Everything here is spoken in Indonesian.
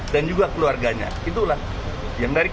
mengatakan bahwa lelod genevieve appertity